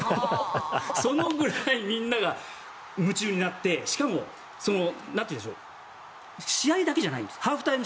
そのぐらいみんなが夢中になってしかも試合だけじゃないんです。